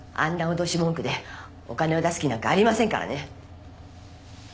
脅し文句でお金を出す気なんかありませんからね